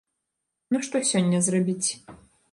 Ну што сёння зрабіць?